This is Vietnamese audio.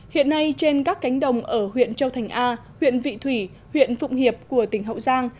hiện nay trên các cánh đồng ở huyện châu thành a huyện vị thủy huyện phụng hiệp của tỉnh hậu giang